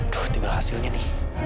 duh tinggal hasilnya nih